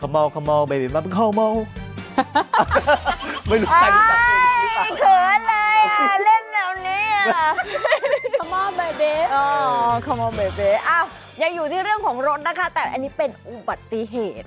ยังอยู่ที่เรื่องของรถนะคะแต่อันนี้เป็นอุบัติเหตุ